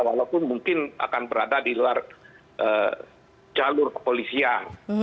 walaupun mungkin akan berada di luar jalur kepolisian